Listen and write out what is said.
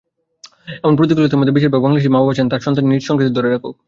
এমন প্রতিকূলতার মধ্যেও বেশিরভাগ বাংলাদেশি মাবাবা চান তাঁর সন্তান নিজ সংস্কৃতিকে ধরে রাখুক।